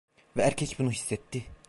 Ve erkek bunu hissetti.